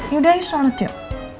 yaudah yuk sholat yuk